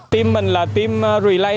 team mình là team relay